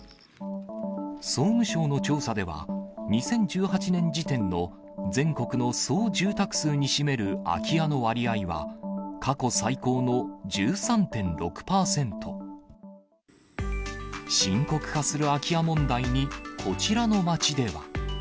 総務省の調査では、２０１８年時点の全国の総住宅数に占める空き家の割合は、過去最高の１３．６％。深刻化する空き家問題に、こちらの町では。